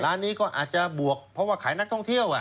ร้านนี้ก็อาจจะบวกเพราะว่าขายนักท่องเที่ยว